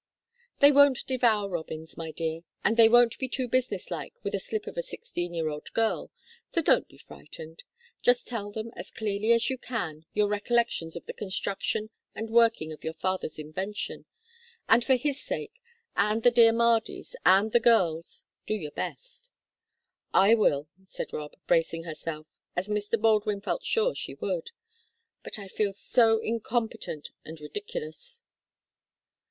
"They won't devour robins, my dear, and they won't be too business like with a slip of a sixteenyear old girl, so don't be frightened. Just tell them as clearly as you can your recollections of the construction and working of your father's invention, and for his sake, and the dear Mardy's and the girls', do your best." "I will," said Rob, bracing herself, as Mr. Baldwin felt sure she would. "But I feel so incompetent and ridiculous."